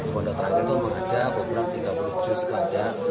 pondok teranggil itu menghadap kurang tiga puluh juz sekadar